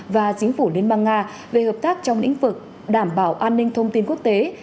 và chính phủ liên bang nga về hợp tác trong lĩnh vực đảm bảo an ninh thông tin quốc tế